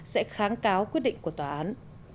sẽ kháng cáo quyết định của tòa án